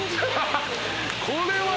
これは。